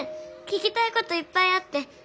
聞きたいこといっぱいあって。